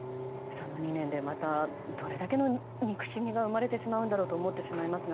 その２年でまたどれだけの憎しみが生まれてしまうんだろうと思ってしまいますが。